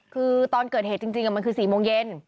คือตอนเกิดเหตุจริงมันคือ๔โมงเย็น